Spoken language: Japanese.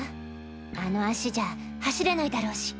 あの足じゃ走れないだろうし。